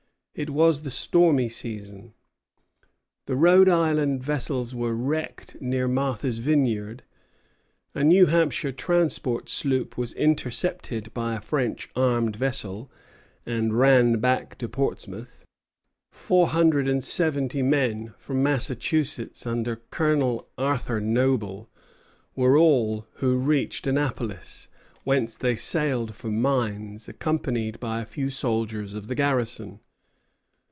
It was the stormy season. The Rhode Island vessels were wrecked near Martha's Vineyard. A New Hampshire transport sloop was intercepted by a French armed vessel, and ran back to Portsmouth. Four hundred and seventy men from Massachusetts, under Colonel Arthur Noble, were all who reached Annapolis, whence they sailed for Mines, accompanied by a few soldiers of the garrison.